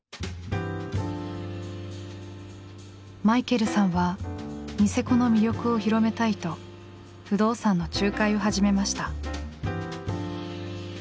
マイケルさんはニセコの魅力を広めたいと不動産の仲介を始めました。